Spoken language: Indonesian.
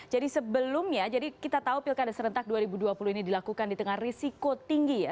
jadi sebelumnya jadi kita tahu pilkada serentak dua ribu dua puluh ini dilakukan di tengah risiko tinggi ya